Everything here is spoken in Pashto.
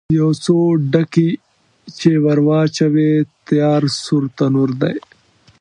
یو څو ډکي چې ور واچوې، تیار سور تنور دی.